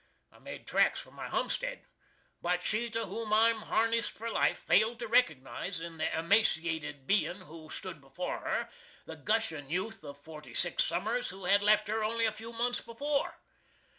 I made tracks for my humsted, but she to whom I'm harnist for life failed to recognize, in the emashiated bein who stood before her, the gushin youth of forty six summers who had left her only a few months afore.